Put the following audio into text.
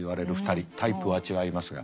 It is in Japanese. タイプは違いますが。